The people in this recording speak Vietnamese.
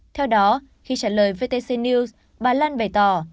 theo đó khi trả lời vtc news bà lan bày tỏ